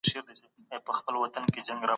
دا د سواد زده کړې یوه وسیله هم کیدی سي.